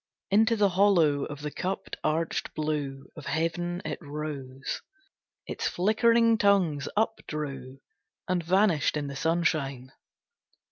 Into the hollow of the cupped, arched blue Of Heaven it rose. Its flickering tongues up drew And vanished in the sunshine.